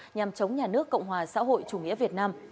nhằm chống nhà nước cộng hòa xã hội chủ nghĩa việt nam